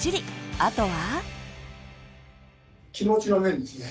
あとは。